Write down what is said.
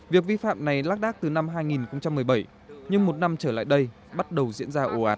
việc vi phạm này lác đác từ năm hai nghìn một mươi bảy nhưng một năm trở lại đây bắt đầu diễn ra ồ ạt